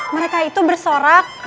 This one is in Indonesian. mereka itu bersorak